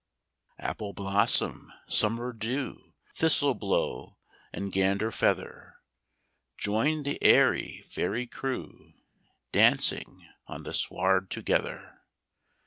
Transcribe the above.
Appleblossom, Summerdew, Thistleblow, and Ganderfeather! Join the airy fairy crewDancing on the sward together!